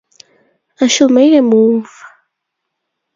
I should make a move.